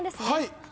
はい。